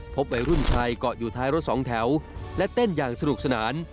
พบใบรุ่นไทยเกาะอยู่ในรถ๒แถวและเต้นอย่างสนุกสนาน